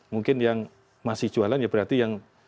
mungkin yang masih jualan ya berarti yang tidak masuk di bank